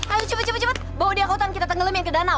aduh cepet cepet bawa dia ke hutan kita tenggelam yang ke danau